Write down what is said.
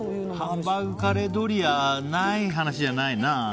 ハンバーグカレードリアない話じゃないな。